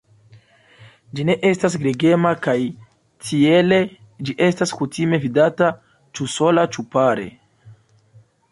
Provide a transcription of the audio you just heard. Ĝi ne estas gregema kaj tiele ĝi estas kutime vidata ĉu sola ĉu pare.